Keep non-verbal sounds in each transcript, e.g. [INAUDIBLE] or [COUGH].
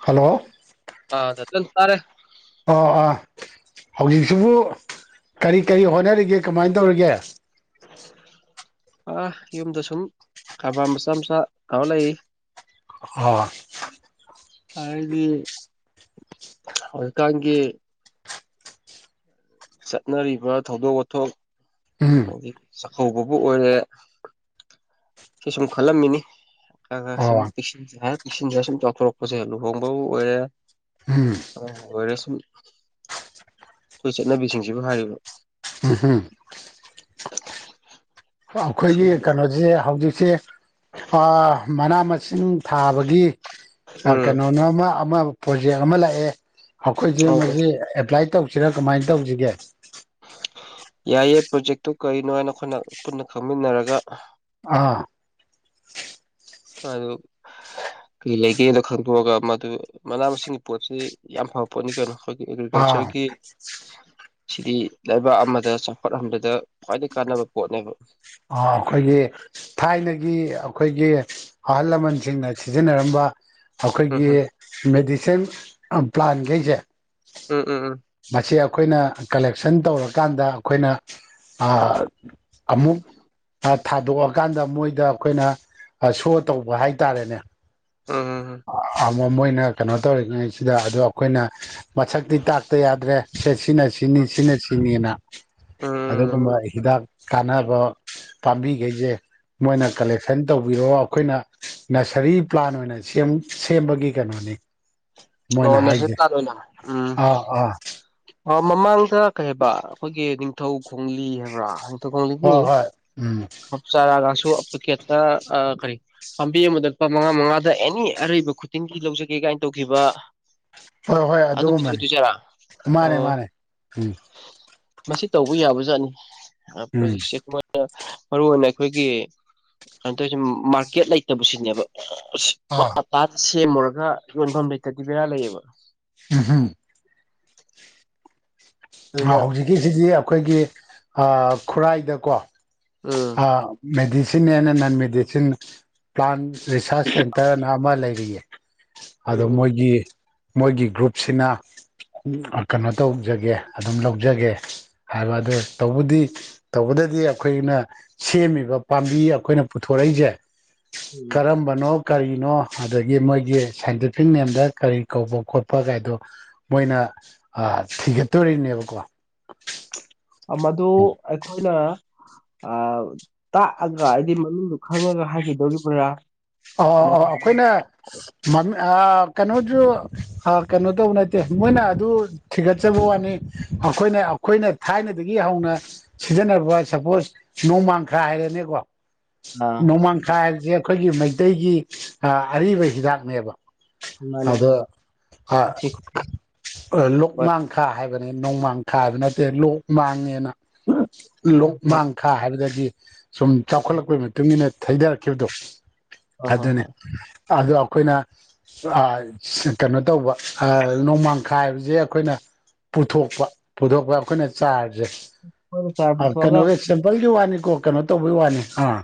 Hello ꯑ ꯗꯇꯜ ꯇꯥꯔꯦ ꯑꯣ ꯑꯥ ꯍꯧꯖꯤꯛꯁꯤꯕꯨ ꯀꯔꯤ ꯀꯔꯤ ꯍꯣꯠꯅꯔꯤꯒꯦ ꯀꯃꯥꯏꯟ ꯇꯧꯔꯤꯒꯦ ꯑ ꯌꯨꯝꯗ ꯁꯨꯝ ꯀꯔꯕꯥꯔ ꯃꯆꯥ ꯃꯆꯥ ꯇꯧꯔꯥ ꯂꯩ [UNINTELLIGIBLE] ꯍꯥꯏꯗꯤ ꯍꯧꯖꯤꯛꯀꯥꯟꯒꯤ ꯆꯠꯅꯔꯤꯕ ꯊꯧꯗꯣꯛ ꯋꯥꯊꯣꯛ ꯎꯝ ꯍꯧꯖꯤꯛ ꯆꯥꯛꯀꯧꯕꯕꯨ ꯑꯣꯏꯔꯦ ꯁꯤ ꯁꯨꯝ ꯈꯜꯂꯝꯃꯤꯅꯤ ꯈꯔꯥ ꯈꯔꯥ ꯁꯨꯝ ꯑꯣ ꯄꯤꯛꯁꯤꯟ ꯁꯨꯝꯃꯥꯏꯅ ꯁꯨꯝ ꯆꯥꯎꯊꯣꯔꯛꯄꯁꯦ ꯂꯨꯍꯣꯡꯕꯕꯨ ꯑꯣꯏꯔꯦ ꯎꯝ ꯑꯃꯥꯕꯨ ꯑꯣꯏꯔꯁꯨ ꯑꯩꯈꯣꯏ ꯆꯠꯅꯕꯤꯁꯤꯡꯁꯤꯕꯨ ꯍꯥꯏꯔꯤꯕ ꯫ ꯎꯝ ꯍꯝ ꯑꯩꯈꯣꯏꯒꯤ ꯁꯤꯒꯤ ꯀꯩꯅꯣꯖꯦ ꯍꯧꯖꯤꯛꯁꯦ ꯑꯥ ꯃꯅꯥ ꯃꯁꯤꯡ ꯊꯥꯕꯒꯤ ꯎꯝ ꯀꯩꯅꯣꯅꯣ ꯑꯃꯥ ꯑꯃꯥ ꯄ꯭ꯔꯣꯖꯦꯛ ꯑꯃ ꯂꯥꯛꯑꯦ ꯑꯩꯈꯣꯏꯖꯦ ꯑꯧ ꯑꯧ ꯃꯁꯤ ꯑꯦꯄ꯭ꯂꯥꯏ ꯇꯧꯁꯤꯔꯥ ꯀꯃꯥꯏꯅ ꯇꯧꯁꯤꯒꯦ ꯌꯥꯏꯌꯦ ꯄ꯭ꯔꯣꯖꯦꯛꯇꯨ ꯀꯔꯤꯅꯣ ꯍꯥꯏꯅ ꯑꯩꯈꯣꯏꯅ ꯄꯨꯟꯅ ꯈꯪꯃꯤꯟꯅꯔꯒ ꯑꯥ ꯍꯜꯂꯣ ꯀꯩ ꯂꯩꯒꯦꯗꯣ ꯈꯪꯗꯣꯛꯑꯒ ꯃꯗꯨ ꯃꯅꯥ ꯃꯁꯤꯡꯒꯤ ꯄꯣꯠꯁꯦ ꯌꯥꯝ ꯐꯕ ꯄꯣꯠꯅꯤ ꯀꯩꯅꯣ꯫ ꯑꯩꯈꯣꯏꯒꯤ ꯑꯥ ꯑꯦꯒ꯭ꯔꯤꯀꯜꯆꯔꯒꯤ ꯁꯤꯗꯤ ꯂꯩꯕꯥꯛ ꯑꯃꯥꯗ ꯆꯥꯎꯈꯠꯍꯟꯕꯗ ꯈ꯭ꯋꯥꯏꯗꯒꯤ ꯀꯥꯟꯅꯕ ꯄꯣꯠꯅꯦꯕ꯫ ꯑ ꯑꯩꯈꯣꯏꯒꯤ ꯊꯥꯏꯅꯒꯤ ꯑꯩꯈꯣꯏꯒꯤ ꯑꯍꯜ ꯂꯃꯟꯁꯤꯡꯅ ꯁꯤꯖꯤꯟꯅꯔꯝꯕ ꯎꯝ ꯑꯩꯈꯣꯏꯒꯤ ꯍꯝ ꯃꯦꯗꯤꯁꯤꯟ ꯄ꯭ꯂꯥꯟꯒꯩꯖꯦ ꯎꯝ ꯎꯝ ꯎꯝ ꯃꯁꯤ ꯑꯩꯈꯣꯏꯅ ꯀꯂꯦꯛꯁꯟ ꯇꯧꯔꯀꯥꯟꯗ ꯑꯩꯈꯣꯏꯅ ꯑꯥ ꯑꯃꯨꯛ ꯊꯥꯗꯣꯛꯑꯀꯥꯟꯗ ꯃꯣꯏꯗ ꯑꯩꯈꯣꯏꯅ ꯑꯥ ꯁꯣ ꯇꯧꯕ ꯍꯥꯏꯇꯥꯔꯦꯅꯦ ꯎꯝ ꯎꯝ ꯑꯥ ꯑꯥ ꯃꯣꯏꯅ ꯀꯩꯅꯣ ꯇꯧꯔꯤꯉꯩꯁꯤꯗ ꯑꯗꯨꯗꯥ ꯑꯩꯈꯣꯏꯅ ꯃꯁꯛꯇꯤ ꯇꯥꯛꯇ ꯌꯥꯗ꯭ꯔꯦ ꯁꯦ ꯁꯤꯅ ꯁꯤꯅꯤ ꯎꯝ ꯁꯤꯅ ꯁꯤꯅꯤꯅ ꯎꯝ ꯑꯗꯨꯒꯨꯝꯕ ꯍꯤꯗꯥꯛ ꯀꯥꯟꯅꯕ ꯄꯥꯝꯕꯤꯒꯩꯖꯦ ꯃꯣꯏꯅ ꯀꯂꯦꯛꯁꯟ ꯇꯧꯕꯤꯔꯛꯑꯣ ꯑꯩꯈꯣꯏꯅ ꯅꯁꯔꯤ ꯄ꯭ꯂꯥꯟ ꯑꯣꯏꯅ ꯁꯦꯝ ꯁꯦꯝꯕꯒꯤ ꯀꯩꯅꯣꯅꯤ ꯃꯣꯏꯅ ꯑꯣ ꯅꯔꯖꯔꯤ ꯍꯥꯏꯁꯦ ꯄ꯭ꯂꯥꯟ ꯑꯣꯏꯅ ꯎꯝ ꯑꯥ ꯑꯥ ꯑꯥ ꯃꯃꯥꯡꯗ ꯀꯩ ꯍꯥꯏꯕ ꯑꯩꯈꯣꯏꯒꯤ ꯅꯤꯡꯊꯧ ꯈꯣꯡꯂꯤ ꯍꯥꯏꯕ꯭ꯔꯥ ꯍꯣꯏ ꯅꯤꯡꯊꯧꯈꯣꯡꯂꯤꯡꯂꯤ ꯍꯣꯏ ꯎꯝ ꯍꯞ ꯆꯔꯥꯒꯁꯨ ꯄꯤꯀꯦꯠꯇ ꯑꯥ ꯀꯔꯤ ꯄꯥꯝꯕꯤ ꯑꯃꯥꯗ ꯂꯨꯄꯥ ꯃꯉꯥ ꯃꯉꯥꯗ ꯑꯦꯅꯤ ꯑꯔꯩꯕ ꯈꯨꯗꯤꯡꯒꯤ ꯂꯧꯖꯒꯦ ꯀꯥꯏꯅ ꯇꯧꯈꯤꯕ ꯍꯣꯏ ꯍꯣꯏ ꯑꯗꯨꯝꯕꯗꯨ ꯑꯗꯨꯒꯨꯝꯕꯅꯤ ꯑꯣꯏꯗꯣꯏꯖꯥꯔꯥ ꯃꯥꯅꯦ ꯑꯣ ꯃꯥꯅꯦ ꯎꯝ ꯃꯁꯤ ꯇꯧꯕ ꯌꯥꯕꯖꯥꯠꯅꯤ ꯑꯥ ꯎꯝ [UNINTELLIGIBLE] ꯑꯥ ꯃꯔꯨ ꯑꯣꯏꯅ ꯑꯩꯈꯣꯏꯒꯤ ꯀꯩꯅꯣ ꯇꯧꯔꯤꯁꯦ ꯃꯥꯔꯀꯦꯠ ꯂꯩꯇꯕꯁꯤꯅꯦꯕ ꯑꯁ ꯑꯥ ꯄꯥꯠ [UNINTELLIGIBLE] ꯁꯦꯝꯃꯨꯔꯒ ꯌꯣꯟꯐꯝ ꯂꯩꯇꯗꯤ ꯕꯦꯔꯥ ꯂꯩꯌꯦꯕ ꯎꯝ ꯍꯝ ꯑꯗꯨꯅ ꯍꯧꯖꯤꯛꯀꯤꯁꯤꯗꯤ ꯑꯩꯈꯣꯏꯒꯤ ꯑꯥ ꯈꯨꯔꯥꯏꯗꯀꯣ ꯎꯝ ꯑꯥ medicine and non medicine plant research ꯁꯦꯟꯇꯔꯅ ꯑꯃꯥ ꯂꯩꯔꯤꯌꯦ꯫ ꯑꯗꯣ ꯎꯝ ꯎꯝ ꯃꯣꯏꯒꯤ ꯃꯣꯏꯒꯤ ꯒ꯭ꯔꯨꯞꯁꯤꯅ ꯀꯩꯅꯣ ꯇꯧꯖꯒꯦ ꯑꯗꯨꯝ ꯂꯧꯖꯒꯦ ꯍꯥꯏꯕ ꯑꯗꯨ ꯇꯧꯕꯨꯗꯤ ꯇꯧꯕꯗꯗꯤ ꯑꯩꯈꯣꯏꯅ ꯁꯦꯝꯃꯤꯕ ꯄꯥꯝꯕꯤ ꯑꯩꯈꯣꯏꯅ ꯄꯨꯊꯣꯔꯛꯏꯖꯦ ꯎꯝ ꯀꯔꯝꯕꯅꯣ ꯀꯔꯤꯅꯣ ꯑꯗꯒꯤ ꯃꯣꯏꯒꯤ ꯁꯥꯏꯟꯇꯤꯐꯤꯛ ꯅꯦꯝꯗ ꯀꯔꯤ ꯀꯧꯕ ꯈꯣꯠꯄ ꯀꯥꯏꯗꯣ ꯃꯣꯏꯅ ꯑꯥ ꯊꯤꯒꯠꯇꯣꯔꯤꯅꯦꯕꯀꯣ꯫ ꯃꯗꯨ ꯑꯩꯈꯣꯏꯅ ꯑꯥ ꯇꯥꯛꯑꯒ ꯍꯥꯏꯗꯤ ꯃꯃꯤꯡꯗꯨ ꯈꯪꯉꯒ ꯍꯥꯏꯒꯤꯗꯧꯔꯤꯕ꯭ꯔꯥ ꯑ ꯑ ꯑꯩꯈꯣꯏꯅ ꯑꯥ ꯀꯩꯅꯣꯖꯨ ꯀꯩꯅꯣ ꯇꯧꯕ ꯅꯠꯇꯦ ꯃꯣꯏꯅ ꯑꯗꯨ ꯊꯤꯒꯠꯆꯕ ꯋꯥꯅꯤ ꯑꯩꯈꯣꯏꯅ ꯑꯩꯈꯣꯏꯅ ꯊꯥꯏꯅꯗꯒꯤ ꯍꯧꯅ ꯁꯤꯖꯤꯟꯅꯕ ꯁꯄꯣꯁ ꯅꯣꯡꯃꯥꯡꯈꯥ ꯍꯥꯏꯔꯅꯦꯀꯣ ꯑꯥ ꯅꯣꯡꯃꯥꯡꯈꯥ ꯍꯥꯏꯕꯁꯦ ꯑꯩꯈꯣꯏꯒꯤ ꯃꯩꯇꯩꯒꯤ ꯑ ꯑꯔꯤꯕ ꯍꯤꯗꯥꯛꯅꯦꯕ ꯃꯥꯅꯤ ꯑꯗ ꯃꯥꯅꯤ ꯑ ꯂꯣꯛꯃꯥꯡꯈꯥ ꯍꯥꯏꯕꯅꯤ ꯅꯣꯡꯃꯥꯡꯈꯥꯕ ꯅꯠꯇꯦ ꯂꯣꯛ ꯃꯥꯡꯉꯦꯅ ꯂꯣꯛ ꯃꯥꯡꯈꯥ ꯍꯥꯏꯕꯗꯒꯤ ꯁꯨꯝ ꯆꯥꯎꯈꯠꯂꯛꯄꯒꯤ ꯃꯇꯨꯡꯏꯟꯅ ꯊꯩꯗꯔꯛꯈꯤꯕꯗꯣ ꯍꯣꯏ ꯍꯣꯏ ꯑꯗꯨꯅꯤ ꯍꯣꯏ ꯑꯗꯣ ꯑꯩꯈꯣꯏꯅ ꯑ ꯀꯩꯅꯣ ꯇꯧꯕ ꯑ ꯅꯣꯡꯃꯥꯡꯈꯥꯏ ꯍꯥꯏꯕꯁꯦ ꯑꯩꯈꯣꯏꯅ ꯄꯨꯊꯣꯛꯄ ꯄꯨꯊꯣꯛꯄ ꯑꯩꯈꯣꯏꯅ ꯆꯥꯔꯁꯦ ꯃꯣꯏꯅ ꯆꯥꯔ ꯑ ꯄꯨꯊꯣꯛꯑꯒ ꯀꯩꯅꯣꯒꯤ ꯁꯦꯝꯄꯜꯒꯤ ꯋꯥꯅꯤꯀꯣ ꯀꯩꯅꯣ ꯇꯧꯕꯒꯤ ꯋꯥꯅꯤ ꯑꯥ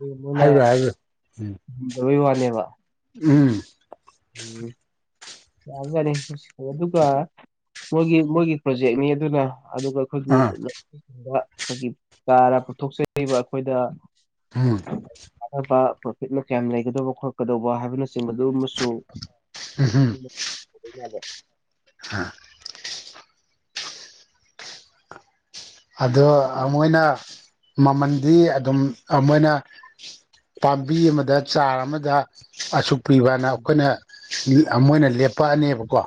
ꯑꯗꯨ ꯃꯣꯏꯅ ꯍꯥꯏꯕꯤꯌꯨ ꯍꯥꯏꯕꯤꯌꯨ ꯎꯝ [UNINTELLIGIBLE] ꯋꯥꯅꯦꯕ ꯎꯝ ꯎꯝ [UNINTELLIGIBLE] ꯑꯗꯨꯒ ꯃꯣꯏꯒꯤ ꯃꯣꯏꯒꯤ ꯄ꯭ꯔꯣꯖꯦꯛꯅꯤ ꯑꯗꯨꯅ ꯑꯗꯨꯒ ꯑꯩꯈꯣꯏꯒꯤ ꯑꯥ ꯑꯩꯈꯣꯏꯒꯤ ꯆꯥꯔ ꯄꯨꯊꯣꯛꯆꯔꯤꯕ ꯑꯩꯈꯣꯏꯗ ꯎꯝ ꯀꯥꯟꯅꯕ ꯄ꯭ꯔꯣꯐꯤꯠꯅ ꯀꯌꯥꯝ ꯂꯩꯒꯗꯧꯕ ꯈꯣꯠꯀꯗꯧꯕ ꯍꯥꯏꯕꯅꯆꯤꯡꯕꯗꯨꯃꯁꯨ ꯎꯝ ꯍꯝ [UNINTELLIGIBLE] [UNINTELLIGIBLE] ꯑꯗꯣ ꯑ ꯃꯣꯏꯅ ꯃꯃꯟꯗꯤ ꯑꯗꯨꯝ ꯑ ꯃꯣꯏꯅ ꯄꯥꯝꯕꯤ ꯑꯃꯗ ꯆꯥꯔ ꯑꯃꯗ ꯑꯁꯨꯛ ꯄꯤꯕꯅ ꯎꯝ ꯑꯩꯈꯣꯏꯅ ꯃꯣꯏꯅ ꯂꯦꯞꯄꯛꯑꯅꯦꯕꯀꯣ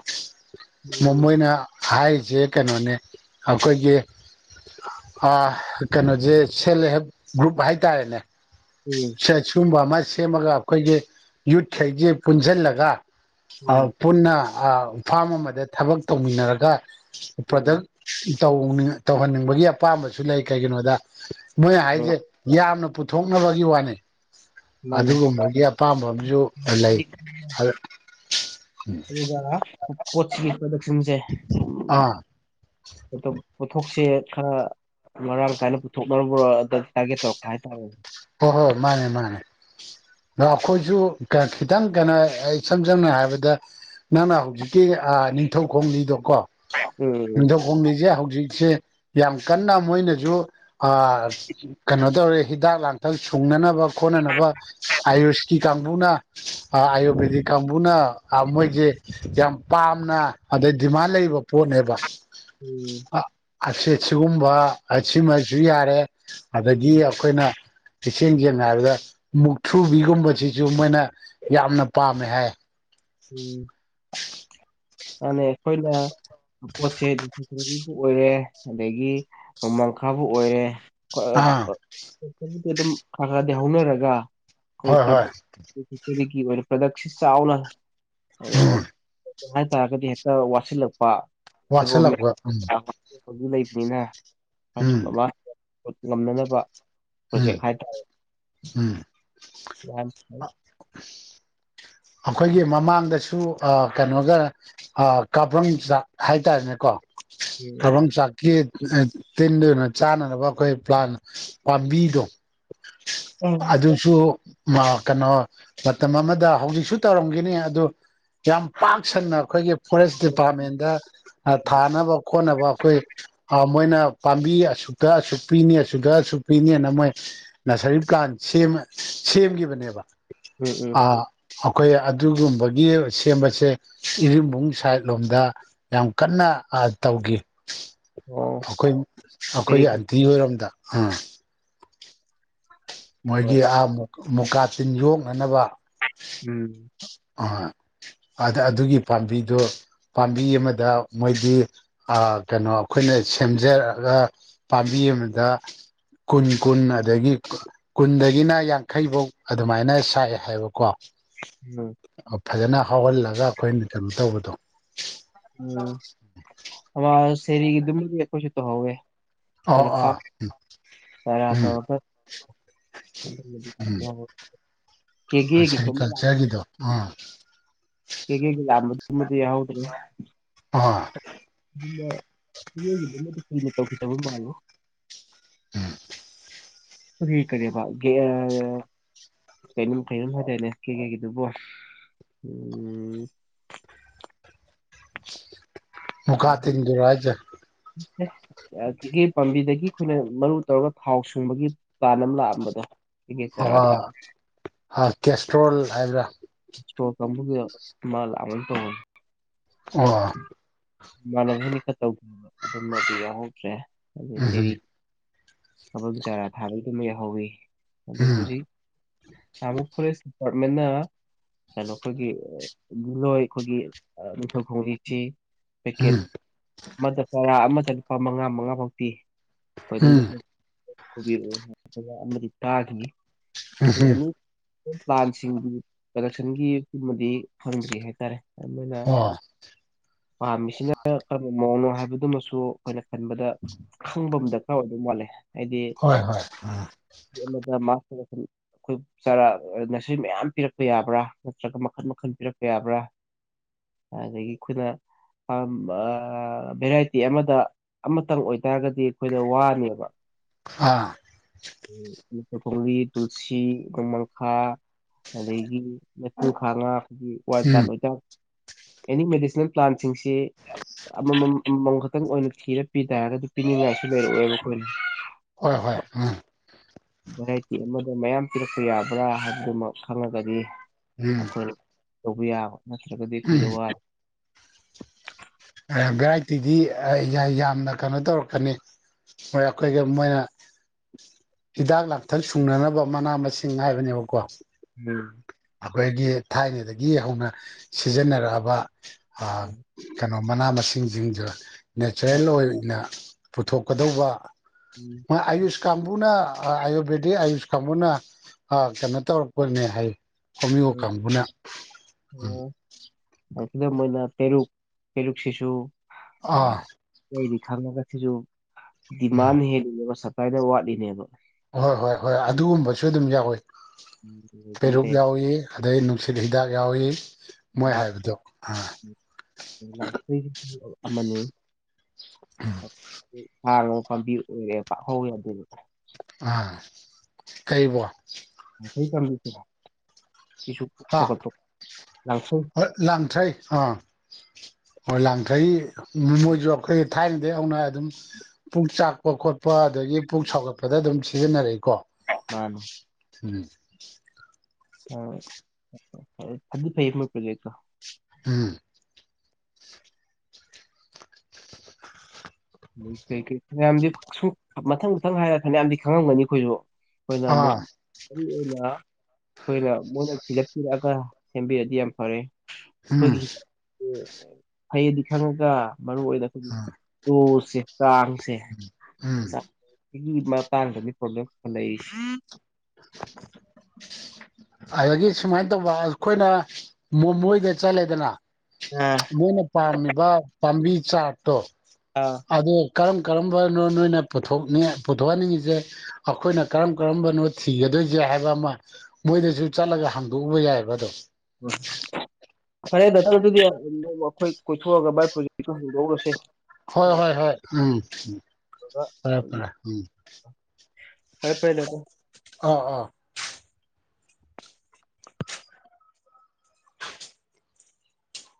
ꯃꯣꯏꯅ ꯍꯥꯏꯔꯤꯁꯦ ꯀꯩꯅꯣꯅꯦ ꯑꯩꯈꯣꯏꯒꯤ ꯑ ꯀꯩꯅꯣꯁꯦ ꯁꯦꯜꯞ ꯍꯦꯜꯞ ꯒ꯭ꯔꯨꯞ ꯍꯥꯏꯇꯥꯔꯦꯅꯦ ꯎꯝ ꯁꯦ ꯁꯤꯒꯨꯝꯕ ꯑꯃ ꯁꯦꯝꯃꯒ ꯑꯩꯈꯣꯏꯒꯤ ꯌꯨꯠꯈꯩꯁꯦ ꯄꯨꯟꯁꯤꯜꯂꯒ ꯎꯝ ꯄꯨꯟꯅ ꯑ ꯐꯥꯝ ꯑꯃꯗ ꯊꯕꯛ ꯇꯧꯃꯤꯟꯅꯔꯒ ꯄ꯭ꯔꯗꯛ ꯎꯝ ꯇꯧꯅꯤꯡ ꯇꯧꯍꯟꯅꯤꯡꯕꯒꯤ ꯑꯄꯥꯝꯕꯁꯨ ꯂꯩ ꯀꯩꯒꯤꯅꯣꯗ ꯃꯣꯏꯅ ꯎꯝ ꯍꯥꯏꯁꯦ ꯌꯥꯝꯅ ꯄꯨꯊꯣꯛꯅꯕꯒꯤ ꯋꯥꯅꯤ ꯃꯥꯅꯦ ꯑꯗꯨꯒꯨꯝꯕꯒꯤ ꯑꯄꯥꯝꯕ ꯑꯃꯁꯨ ꯂꯩ ꯑꯗꯨꯒ ꯄꯣꯠꯁꯤꯒꯤ ꯄ꯭ꯔꯗꯛꯁꯟꯁꯦ ꯑꯥ [UNINTELLIGIBLE] ꯄꯣꯠꯊꯣꯛꯁꯦ ꯈꯔ ꯃꯔꯥꯡ ꯀꯥꯏꯅ ꯄꯨꯊꯣꯛꯅꯕ ꯑꯗ ꯇꯥꯔꯒꯦꯠ ꯇꯧꯔꯛꯄ ꯍꯥꯏꯇꯥꯔꯦꯅꯦ ꯍꯣꯏ ꯍꯣꯏ ꯃꯥꯅꯦ ꯃꯥꯅꯦ ꯑꯗ ꯑꯩꯈꯣꯏꯁꯨ ꯈꯤꯇꯪ ꯀꯩꯅꯣ ꯏꯁꯝ ꯁꯝꯅ ꯍꯥꯏꯔꯕꯗ ꯅꯪꯅ ꯍꯧꯖꯤꯛꯀꯤ ꯑ ꯅꯤꯡꯊꯧ ꯈꯣꯡꯂꯤꯗꯣꯀꯣ ꯎꯝ ꯈꯣꯡꯂꯤꯁꯦ ꯍꯧꯖꯤꯛꯁꯦ ꯌꯥꯝ ꯀꯟꯅ ꯃꯣꯏꯅꯁꯨ ꯑ ꯀꯩꯅꯣ ꯇꯧꯔꯦ ꯍꯤꯗꯥꯛ ꯂꯥꯡꯊꯛ ꯈꯤꯇꯪ ꯁꯨꯡꯅꯅꯕ ꯈꯣꯠꯅꯅꯕ ꯑꯌꯨꯁꯀꯤ ꯀꯥꯡꯕꯨꯅ ꯎꯝ ꯑꯥꯔꯌꯨꯚꯦꯗꯤꯛ ꯀꯥꯡꯕꯨꯅ ꯑ ꯃꯣꯏꯒꯤ ꯌꯥꯝ ꯄꯥꯝꯅ ꯑꯗꯩ ꯗꯤꯃꯥꯟ ꯂꯩꯕ ꯄꯣꯠꯅꯦꯕ ꯎꯝ [UNINTELLIGIBLE] ꯁꯤꯒꯨꯝꯕ ꯑꯁꯤꯃꯁꯨ ꯌꯥꯔꯦ ꯑꯗꯒꯤ ꯎꯝ ꯑꯩꯈꯣꯏꯅ ꯏꯁꯦꯡ ꯁꯦꯡꯅ ꯍꯥꯏꯔꯕꯗ ꯃꯨꯛꯊ꯭ꯔꯨꯕꯤꯒꯨꯝꯕꯁꯤꯁꯨ ꯃꯣꯏꯅ ꯌꯥꯝꯅ ꯄꯥꯝꯃꯦ ꯍꯥꯏ ꯎꯝ ꯃꯥꯅꯦ ꯑꯩꯈꯣꯏꯅ ꯄꯣꯠꯁꯦ [UNINTELLIGIBLE] ꯑꯣꯏꯔꯦ ꯑꯗꯒꯤ ꯅꯣꯃꯥꯡꯈꯥꯕꯨ ꯑꯣꯏꯔꯦ ꯑꯥ [UNINTELLIGIBLE] ꯑꯗꯨꯝ ꯈꯔ ꯈꯔꯗꯤ ꯍꯧꯅꯔꯒ ꯍꯣꯏ ꯍꯣꯏ ꯑꯩꯈꯣꯏ [UNINTELLIGIBLE] [UNINTELLIGIBLE] ꯆꯥꯎꯅ [UNINTELLIGIBLE] ꯍꯥꯏꯇꯥꯔꯒꯗꯤ ꯍꯦꯛꯇ ꯋꯥꯁꯤꯜꯂꯛꯄ ꯋꯥꯠꯁꯤꯜꯂꯛꯄ ꯎꯝ ꯎꯝ [UNINTELLIGIBLE] [UNINTELLIGIBLE] ꯉꯝꯅꯅꯕ ꯎꯝ ꯄ꯭ꯔꯣꯖꯦꯛ ꯍꯥꯏꯇꯥꯔꯦ ꯎꯝ [UNINTELLIGIBLE] ꯑꯈꯣꯏꯒꯤ ꯃꯃꯥꯡꯗꯁꯨ ꯑꯥ ꯀꯩꯅꯣꯒ ꯑꯥ ꯀꯥꯕ꯭ꯔꯪ ꯆꯥꯛ ꯍꯥꯏꯇꯥꯔꯦꯅꯦꯀꯣ ꯀꯥꯕ꯭ꯔꯪ ꯆꯥꯛ ꯀꯦꯛ [UNINTELLIGIBLE] ꯇꯤꯟꯗꯨꯅ ꯆꯥꯅꯅꯕ ꯑꯩꯈꯣꯏ ꯄ꯭ꯂꯥꯟ ꯄꯥꯝꯕꯤꯗꯣ ꯁꯤ ꯎꯝ ꯑꯗꯨꯁꯨ ꯃꯥ ꯀꯩꯅꯣ ꯃꯇꯝ ꯑꯃꯗ ꯍꯧꯖꯤꯛ ꯁꯨ ꯇꯧꯔꯝꯒꯤꯅꯤ ꯑꯗꯨ ꯌꯥꯝ ꯄꯥꯛ ꯁꯟꯅ ꯑꯩꯈꯣꯏꯒꯤ ꯐꯣꯔꯦꯁ ꯗꯤꯄ꯭ꯔꯥꯠꯃꯦꯟꯗ ꯊꯥꯅꯕ ꯈꯣꯠꯅꯕ ꯑꯩꯈꯣꯏ ꯑ ꯃꯣꯏꯅ ꯄꯥꯝꯕꯤ ꯑꯁꯨꯛꯇ ꯑꯁꯨꯛ ꯄꯤꯅꯤ ꯑꯁꯨꯛꯇ ꯑꯁꯨꯛ ꯄꯤꯅꯦꯅ ꯃꯣꯏ ꯅꯁꯔꯤ ꯄ꯭ꯂꯥꯟ ꯁꯦꯝꯃ ꯁꯦꯝꯈꯤꯕꯅꯦꯕ ꯎꯝ ꯑ ꯎꯝ ꯑꯈꯣꯏ ꯑꯗꯨꯒꯨꯝꯕꯒꯤ ꯁꯦꯝꯕꯁꯦ ꯏꯔꯤꯜꯕꯨꯡ ꯁꯥꯏꯠ ꯂꯣꯝꯗ ꯌꯥꯝ ꯀꯟꯅ ꯑ ꯇꯧꯒꯤ ꯑꯣ ꯑꯈꯣꯏ ꯑꯩꯈꯣꯏ ꯁꯦꯔꯤ ꯑꯟ ꯕꯤ ꯔꯣꯝꯗ ꯑꯥ ꯍꯣꯏ ꯃꯣꯏꯒꯤ ꯑꯥ ꯃꯣꯛꯀꯥ ꯇꯤꯟ ꯌꯣꯛꯅꯅꯕ ꯎꯝ ꯑꯥ ꯑꯥꯗ ꯑꯗꯨꯒꯤ ꯄꯥꯝꯕꯤꯗꯣ ꯄꯥꯝꯕꯤ ꯑꯃꯗ ꯃꯣꯏꯗꯤ ꯑ‌ ꯀꯩꯅꯣ ꯑꯩꯈꯣꯏꯅ ꯁꯦꯝꯖꯔꯒ ꯄꯥꯝꯕꯤ ꯑꯃꯗ ꯀꯨꯟ ꯀꯨꯟ ꯑꯗꯒꯤ [UNINTELLIGIBLE] ꯀꯨꯟꯗꯒꯤꯅ ꯌꯥꯡꯈꯩ ꯐꯧ ꯑꯗꯨꯃꯥꯏꯅ ꯁꯥꯏ ꯍꯥꯏꯕꯀꯣ [UNINTELLIGIBLE] ꯑꯧ ꯐꯖꯅ ꯍꯥꯎꯍꯜꯂꯒ ꯑꯩꯈꯣꯏꯅ ꯀꯩꯅꯣ ꯇꯧꯕꯗꯣ ꯎꯝ ꯑꯋꯥ ꯁꯦꯔꯤ ꯒꯤꯗꯨꯃꯗꯤ ꯑꯈꯣꯁꯨ ꯇꯧꯍꯧꯌꯦ ꯑꯧ ꯑꯩꯈꯣꯏꯅ ꯐꯥ ꯑꯥ ꯎꯝ ꯎꯝ [UNINTELLIGIBLE] [UNINTELLIGIBLE] ꯀꯦꯒꯦ [UNINTELLIGIBLE] ꯑꯥ ꯀꯦꯒꯦꯒꯤ ꯂꯥꯝꯕꯗꯨꯃꯗꯤ ꯍꯥꯎꯍꯧꯗ꯭ꯔꯦ ꯑꯥ ꯗꯨꯅ ꯅꯣꯏꯒꯤꯗꯨꯃꯗꯤ ꯀꯨꯏꯅ ꯇꯧꯈꯤꯗꯕ ꯃꯥꯜꯂꯦ ꯑꯥ ꯀꯔꯤ ꯀꯔꯤꯑꯕ ꯒꯤꯑꯥ ꯀꯩꯅꯝ ꯀꯩꯅꯣꯝ ꯍꯥꯏꯗꯥꯏꯅꯦ ꯀꯦ ꯀꯦ ꯒꯤꯗꯨꯕꯣ ꯎꯝ ꯃꯨꯀꯥ ꯇꯤꯟꯗꯨꯔꯥ ꯍꯥꯏꯖꯦ ꯍꯦ ꯑ ꯀꯦꯀꯦ ꯄꯥꯝꯕꯤꯗꯒꯤ ꯑꯩꯈꯣꯏꯅ ꯃꯔꯨ ꯇꯧꯔꯒ ꯊꯥꯎ ꯁꯨꯡꯕꯒꯤ ꯄ꯭ꯂꯥꯟ ꯑꯃ ꯂꯥꯛꯑꯝꯕꯗꯣ ꯀꯦꯒꯦ ꯑ ꯆꯥꯔꯥ ꯊꯥ ꯍꯔ ꯀꯦꯁꯇ꯭ꯔꯣꯜ ꯍꯥꯏꯕ꯭ꯔꯥ ꯏꯁꯄꯣꯔ ꯀꯪꯕꯨꯒꯤꯑ ꯃꯥ ꯂꯛꯑꯝꯒꯨꯝ ꯇꯧꯕꯅꯤ ꯑꯣꯑ ꯏꯃꯥꯟꯅꯕꯅ ꯈ ꯇꯧ [UNINTELLIGIBLE] ꯆꯔꯤ ꯎꯝ ꯊꯕꯛ ꯆꯥꯔꯥ ꯊꯥꯕꯩꯗꯨꯃ ꯌꯥꯎꯌꯤ ꯑꯗꯨ ꯍꯧꯖꯤꯛ ꯅꯍꯜꯃꯨꯛ ꯐꯣꯔꯦꯁ ꯗꯤꯄꯥꯔꯠꯃꯦꯟ ꯅ ꯀꯩꯅꯣ ꯑꯩꯈꯣꯏꯒꯤ ꯗꯤꯂꯣꯏ ꯑꯩꯈꯣꯏꯒꯤ ꯑ ꯅꯤꯡꯊꯧ ꯈꯣꯡꯒꯤ ꯁꯤ ꯄꯦꯀꯦꯠ ꯎꯝ ꯑꯃꯗ ꯇꯔꯥ ꯑꯃꯗ ꯂꯨꯄꯥ ꯃꯉꯥ ꯃꯉꯥ ꯐꯥꯎ ꯄꯤ ꯎꯝ [UNINTELLIGIBLE] ꯑꯃꯗꯤ ꯇꯥꯈꯤꯅꯤ ꯎꯝ ꯎꯝ ꯄ꯭ꯂꯥꯟꯁꯤꯡꯗꯤ ꯄ꯭ꯔꯗꯛꯁꯟꯒꯤ ꯑꯃꯗꯤ ꯐꯪꯗ ꯭ꯔꯤ ꯍꯥꯏꯇꯥꯔꯦ ꯑꯗꯨꯅ ꯑꯥ ꯄꯥꯝꯃꯤꯁꯤꯅ ꯀꯔꯝꯕ ꯃꯑꯣꯡꯅꯣ ꯍꯥꯏꯕꯗꯨꯃꯁꯨ ꯑꯩꯈꯣꯏꯅ ꯈꯟꯕꯗ ꯈꯪꯕ ꯑꯃ ꯗꯔꯀꯥꯔ ꯑꯣꯏꯕ ꯋꯥꯠꯂꯦ ꯑꯩꯗꯤ ꯍꯣꯏ ꯍꯣꯏ ꯎꯝ [UNINTELLIGIBLE] ꯑꯩꯈꯣꯏ ꯆꯔꯥ ꯉꯁꯤ ꯃꯌꯥꯝ ꯄꯤꯔꯛꯄ ꯌꯥꯕ꯭ꯔꯥ ꯅꯠꯇ꯭ꯔꯒ ꯃꯈꯜ ꯃꯈꯜ ꯄꯤꯔꯛꯄ ꯌꯥꯕ꯭ꯔꯥ ꯑꯗꯒꯤ ꯑꯩꯈꯣꯏꯅ ꯑ ꯕ ꯚꯦꯔꯥꯏꯇꯤ ꯑꯃꯗ ꯑꯃꯇꯪ ꯑꯣꯏꯇꯥꯔꯒꯗꯤ ꯑꯩꯈꯣꯏꯗ ꯋꯥꯅꯦꯕ ꯍꯥ ꯂꯤꯇ ꯈꯣꯡꯕꯤ ꯇꯨꯜꯁꯤ ꯈꯣꯡꯃꯪꯈꯥ ꯑꯗꯒꯤ ꯂꯩꯄꯨꯡ ꯈꯥꯉꯥ ꯎꯝ [UNINTELLIGIBLE] ꯑꯦꯅꯤ ꯃꯦꯗꯤꯁꯤꯟ ꯄ꯭ꯂꯥꯟꯁꯤꯡꯁꯤ ꯑꯃꯃꯝꯃꯝ ꯈꯛꯇꯪ ꯑꯣꯏꯅ ꯊꯤꯔ ꯄꯤ ꯇꯔꯒꯗꯤ ꯄꯤꯅꯤꯡꯉꯥꯏꯁꯨ ꯂꯩꯔꯛ ꯑꯣꯏꯕ ꯈꯣꯏꯅ ꯍꯣꯏ ꯍꯣꯏ ꯎꯝ꯫ ꯚꯦꯔꯥꯏꯇꯤ ꯑꯃꯗꯥ ꯃꯌꯥꯝ ꯄꯤꯔꯛꯄ ꯌꯥꯕ꯭ꯔꯥ ꯍꯥꯏꯕꯗꯨꯃꯛ ꯈꯪꯉꯒꯗꯤ ꯎꯝ ꯑꯩꯈꯣꯏ ꯇꯧꯕ ꯌꯥꯕ ꯅꯠꯇ꯭ꯔꯒꯗꯤ ꯑꯩꯈꯣꯏꯗ ꯎꯝ ꯋꯥ ꯚꯦꯔꯥꯏꯇꯤꯗꯤ ꯌꯥꯝꯅ ꯀꯩꯅꯣ ꯇꯧꯔꯛꯀꯅꯤ꯫ ꯍꯣꯏ ꯑꯩꯈꯣꯏꯒꯤ ꯃꯣꯏꯅ ꯍꯤꯗꯥꯛ ꯂꯥꯡꯊꯛ ꯁꯨꯡꯅꯅꯕ ꯃꯅꯥ ꯃꯁꯤꯡ ꯍꯥꯏꯕꯅꯦꯕꯀꯣ ꯎꯝ꯫ ꯑꯩꯈꯣꯏꯒꯤ ꯊꯥꯏꯅꯗꯒꯤ ꯍꯧꯅ ꯁꯤꯖꯤꯟꯅꯔꯛꯑꯕ ꯑꯥ ꯎꯝ ꯀꯩꯅꯣ ꯃꯅꯥ ꯃꯁꯤꯡꯁꯤꯡꯗꯨ ꯅꯦꯆꯔꯦꯜ ꯑꯣꯏꯅ ꯄꯨꯊꯣꯛꯀꯗꯧꯕ ꯑꯌꯨꯁ ꯀꯥꯡꯕꯨꯅ ꯑꯥꯌꯚꯦꯗꯤꯛ ꯑꯌꯨꯁ ꯀꯥꯡꯕꯨꯅ ꯀꯩꯅꯣ ꯇꯧꯔꯛꯄꯅꯦ ꯍꯥꯏ ꯀꫭꯃꯤꯌꯦ ꯎꯝ ꯀꯥꯡꯕꯨꯅ ꯎꯝ ꯂꯥꯏꯔꯤꯛꯁꯤꯗ ꯃꫭꯏꯅ ꯄꯦꯔꯨꯛ ꯄꯦꯔꯨꯛꯁꯤꯁꯨ ꯑꯥ ꯑꯇꯩꯗꯤ ꯈꯪꯉꯒ ꯁꯤꯁꯨ ꯎꯝ ꯗꯤꯃꯥꯟ ꯍꯦꯜꯂꯤꯅꯦꯕ ꯁꯞꯄ꯭ꯂꯥꯏꯗ ꯋꯥꯠꯂꯤꯅꯦꯕ ꯍꯣꯏ ꯍꯣꯏ ꯍꯣꯏ ꯑꯗꯨꯒꯨꯝꯕꯁꯨ ꯑꯗꯨꯝ ꯌꯥꯎꯋꯤ ꯎꯝ꯫ ꯄꯦꯔꯨꯛ ꯌꯥꯎꯏ ꯑꯗꯩ ꯅꯨꯡꯁꯤꯠ ꯍꯤꯗꯥꯛ ꯌꯥꯎꯏ ꯃꯣꯏ ꯍꯥꯏꯕꯗꯣ ꯑꯥ ꯂꯥꯟꯊ꯭ꯔꯥꯏꯁꯨ ꯑꯃꯅꯤ [UNINTELLIGIBLE] ꯄꯥꯝꯕꯤ ꯑꯣꯏꯔꯦꯕ ꯍꯧꯏ ꯌꯥꯗꯦꯕ ꯑꯥ ꯀꯔꯤꯕꯣ ꯂꯥꯟꯊ꯭ꯔꯥꯏ ꯄꯥꯟꯕꯤꯁꯨ ꯁꯤꯁꯨ ꯄꯨꯛ ꯁꯥꯎꯒꯠꯄ ꯂꯥꯟꯊ꯭ꯔꯥꯏ ꯂꯥꯡꯊ꯭ꯔꯥꯏ ꯑꯥ ꯑꯣ ꯂꯥꯡꯊ꯭ꯔꯥꯏ ꯃꯣꯏ ꯑꯩꯈꫭꯏ ꯊꯥꯏꯅꯗꯒꯤ ꯍꯧꯅ ꯑꯗꯨꯝ ꯄꯨꯛ ꯆꯥꯛꯄ ꯈꯣꯠꯄ ꯑꯗꯒꯤ ꯄꯨꯛ ꯁꯥꯎꯒꯠꯄꯗ ꯑꯗꯨꯝ ꯁꯤꯖꯤꯟꯅꯔꯛꯏꯀꯣ꯫ ꯃꯥꯅꯤ ꯎꯝ꯫ ꯑ ꯑꯗꫭ ꯐꯩꯗꯤ ꯐꯩꯌꯦ ꯃꫭꯏꯄ꯭ꯔꯣꯖꯦꯛꯇꯣ ꯎꯝ꯫ ꯑꯗꯥꯏ ꯀꯩ ꯀꯩ ꯐꯅꯌꯥꯝꯗꯤ ꯁꯨꯝ ꯃꯊꯪ ꯃꯊꯪ ꯍꯥꯏꯔ ꯐꯅꯌꯥꯝꯗꯤ ꯈꯪꯉꯝꯒꯅꯤ ꯑꯩꯈꯣꯏꯁꯨ ꯑꯩꯈꯣꯏꯅ ꯑꯃꯨꯛ ꯑꯥ ꯃꯔꯨ ꯑꯣꯏꯅ ꯑꯩꯈꯣꯏꯅ ꯃꯣꯏꯅ ꯊꯤꯔꯛ ꯊꯤꯔꯛꯑꯒ ꯁꯦꯝꯕꯤꯔꯗꯤ ꯌꯥꯝ ꯐꯔꯦ ꯑꯩꯈꯣꯏꯒꯤ ꯎꯝ ꯐꯩꯗꯤ ꯈꯪꯉꯒ ꯃꯔꯨꯏ ꯑꯣꯏꯅ ꯑꯩꯈꯣꯏꯒꯤ ꯔꫭꯜꯁꯦ ꯆꯥꯡꯁꯦ ꯎꯝ ꯆꯥꯡ ꯆꯍꯤ ꯃꯇꯥꯡꯗꯗꯤ ꯄ꯭ꯔꯣꯕ꯭ꯂꯦꯝ ꯂꯩꯁꯦ [INAUDIBLE] ꯑꯗꯒꯤ ꯁꯨꯃꯥꯏꯅ ꯇꯧꯕ ꯑꯩꯈꯣꯏꯅ ꯃꯣꯃꯣꯏꯗ ꯆꯠꯂꯦꯗꯅ ꯑꯥ ꯃꯣꯏꯅ ꯄꯥꯝꯃꯤꯕ ꯄꯥꯝꯕꯤ ꯆꯥꯛꯠꯇꯣ ꯑꯥ ꯑꯗꫭ ꯀꯔꯝ ꯀꯔꯝꯕꯅꯣ ꯅꯣꯏꯅ ꯄꯨꯊꫭꯛꯅꯤꯡꯉꯦ ꯄꯨꯊꯣꯛꯍꯟꯅꯤꯡꯉꯤꯁꯦ ꯑꯩꯈꯣꯏꯅ ꯀꯔꯝ ꯀꯔꯝꯕꯅꯣ ꯊꯤꯒꯗꯣꯏꯒꯦ ꯍꯥꯏꯕ ꯑꯃ ꯃꯣꯏꯗꯁꯨ ꯆꯠꯂꯒ ꯍꯥꯡꯗꯣꯛꯎꯕ ꯌꯥꯏꯑꯕ ꯑꯗꯣ [UNINTELLIGIBLE] ꯐꯔꯦ ꯗꯥꯛꯇ꯭ꯔ ꯑꯗꯨꯗꯤ ꯅꫭꯡꯃꯥ ꯑꯩꯈꯣꯏ ꯀꯣꯏꯊꯣꯛꯑꯒ ꯃꯥꯏ ꯄ꯭ꯔꯣꯖꯦꯛꯇꯣ ꯍꯪꯗꫭꯛꯎꯔꯁꯦ ꯍꯣꯏ ꯍꯣꯏ ꯍꯣꯏ ꯎꯝ ꯎꯝ ꯐꯔꯦ ꯐꯔꯦ ꯎꯝ ꯐꯔꯦ ꯐꯔꯦ [UNINTELLIGIBLE] ꯑꯥ ꯑꯥ